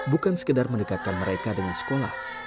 bukan sekedar mendekatkan mereka dengan sekolah